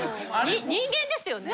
人間ですよね？